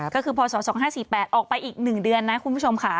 ก็คือพศ๒๕๔๘ออกไปอีก๑เดือนนะคุณผู้ชมค่ะ